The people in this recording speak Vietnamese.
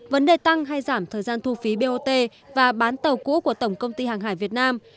vấn đề tăng hay giảm thời gian thu phí bot và bán tàu cũ của tổng công ty hàng hải việt nam